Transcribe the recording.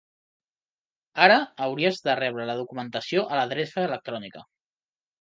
Ara hauries de rebre la documentació a l'adreça electrònica.